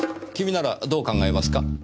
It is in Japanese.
君ならどう考えますか？